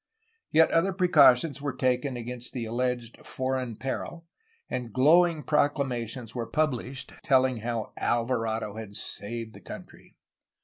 Yet other precautions were taken against the al leged foreign peril, and glowing proclamations were pub lished telling how Alvarado had saved the country.